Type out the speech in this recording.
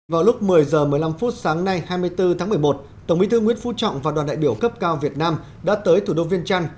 vào lúc một mươi h một mươi năm phút sáng nay hai mươi bốn tháng một mươi một tổng bí thư nguyễn phú trọng và đoàn đại biểu cấp cao việt nam đã tới thủ đô viên trăn